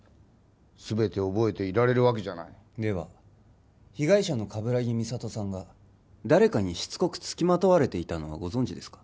全て覚えていられるわけじゃないでは被害者の鏑木美里さんが誰かにしつこくつきまとわれていたのはご存じですか？